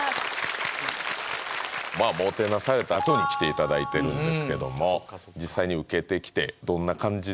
まぁもてなされたあとに来ていただいてるんですけども実際に受けてきてどんな感じ？